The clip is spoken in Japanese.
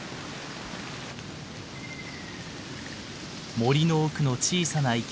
森の奥の小さな池。